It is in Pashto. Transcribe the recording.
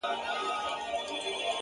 پوهه د شکونو تیاره روښانه کوي.!